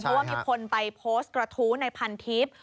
เพราะว่ามีคนไปโพสต์กระทู้ในพันทิพย์